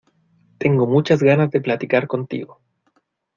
Tengo muchas ganas de platicar contigo.